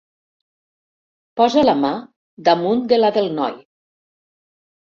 Posa la mà damunt de la del noi.